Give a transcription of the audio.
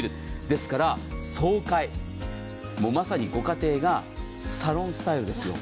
ですから爽快、もうまさにご家庭がサロンスタイルですよ。